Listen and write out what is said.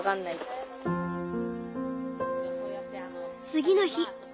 次の日。